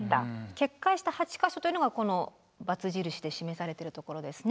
決壊した８か所というのがこの×印で示されているところですね。